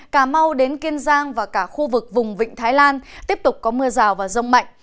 cà mau đến kiên giang và cả khu vực vùng vịnh thái lan tiếp tục có mưa rào và rông mạnh